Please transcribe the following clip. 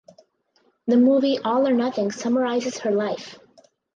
The movie "All Or Nothing" summarizes her life.